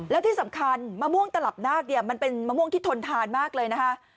แล้วที่สำคัญมะม่วงตลับนาคเนี่ยมันเป็นมะม่วงที่ทนทานมากเลยนะคะ